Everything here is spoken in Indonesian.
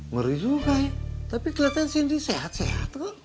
ngeri juga tapi kelihatan cindy sehat sehat kok